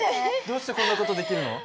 どうしてこんな事できるの？